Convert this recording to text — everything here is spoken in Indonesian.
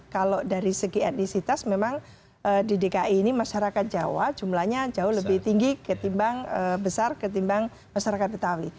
kalau dari segi etnisitas memang di dki ini masyarakat jawa jumlahnya jauh lebih tinggi ketimbang besar ketimbang masyarakat betawi